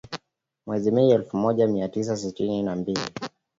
Mwezi Mei elfu moja mia tisa sitini na mbili